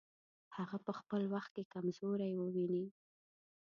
هغه په خپل وخت کې کمزوري وویني.